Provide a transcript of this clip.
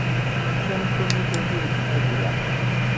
შემდგომი ბედი უცნობია.